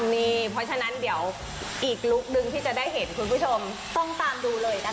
นี่เพราะฉะนั้นเดี๋ยวอีกลุคนึงที่จะได้เห็นคุณผู้ชมต้องตามดูเลยนะคะ